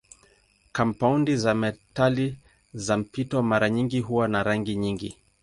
Kampaundi za metali za mpito mara nyingi huwa na rangi nyingi.